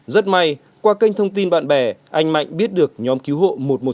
rất may qua kênh thông tin bạn bè anh mạnh biết được nhóm cứu hộ một trăm một mươi chín